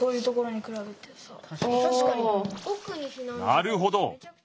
なるほど！